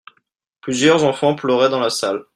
Plusieurs enfants pleuraient dans la salle.